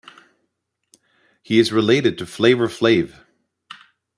He is related to Flavor Flav.